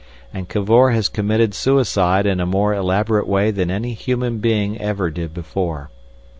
And Cavor has committed suicide in a more elaborate way than any human being ever did before.